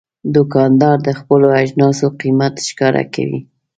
دوکاندار د خپلو اجناسو قیمت ښکاره کوي.